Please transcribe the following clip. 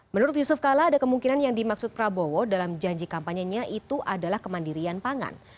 menurut yusuf kala ada kemungkinan yang dimaksud prabowo dalam janji kampanyenya itu adalah kemandirian pangan